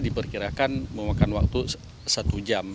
diperkirakan memakan waktu satu jam